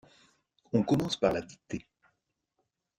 On commence par la dictée.